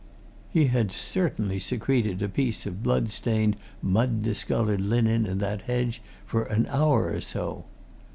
He had certainly secreted a piece of blood stained, mud discoloured linen in that hedge for an hour or so.